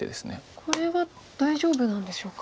これは大丈夫なんでしょうか。